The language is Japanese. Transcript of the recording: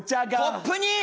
コップに！？